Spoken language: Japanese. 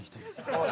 おい！